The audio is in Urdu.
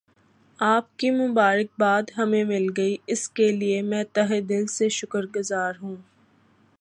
آپ کی مبارک باد ہمیں مل گئی اس کے لئے میں تہہ دل سے شکر گزار ہوں